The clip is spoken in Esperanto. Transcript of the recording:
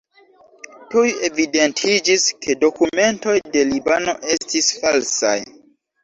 Tuj evidentiĝis, ke dokumentoj de Libano estis falsaj.